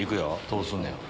どうすんねやろ？